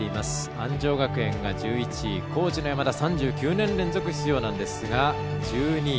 安城学園が１１位高知の山田３９年連続出場ですが１２位。